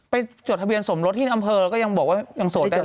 จดทะเบียนสมรสที่อำเภอก็ยังบอกว่ายังโสดได้เลย